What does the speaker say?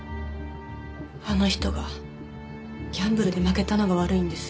あの人がギャンブルで負けたのが悪いんです。